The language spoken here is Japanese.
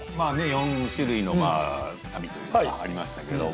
４種類の旅というかありましたけど。